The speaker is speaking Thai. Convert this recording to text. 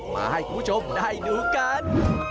มาให้คุณผู้ชมได้ดูกัน